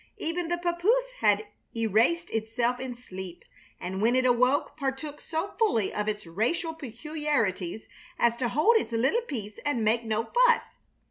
Even the papoose had erased itself in sleep, and when it awoke partook so fully of its racial peculiarities as to hold its little peace and make no fuss.